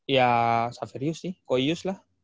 ya saverius nih koius lah